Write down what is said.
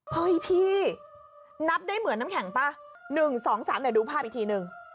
เฮ้ยพี่นับได้เหมือนน้ำแข็งป่ะหนึ่งสองสามเดี๋ยวดูภาพอีกทีหนึ่ง